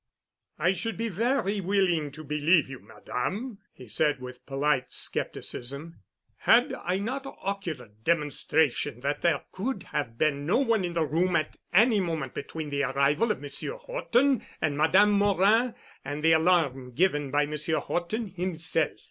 "I should be very willing to believe you, Madame," he said, with polite scepticism, "had I not ocular demonstration that there could have been no one in the room at any moment between the arrival of Monsieur Horton and Madame Morin and the alarm given by Monsieur Horton himself.